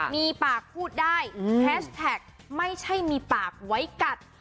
มีปากพูดได้แฮชแท็กไม่ใช่มีปากไว้กัด